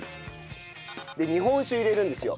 で日本酒入れるんですよ。